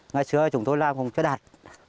ngày xưa chúng tôi làm không chứa đạt